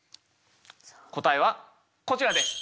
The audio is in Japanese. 答えはこちらです。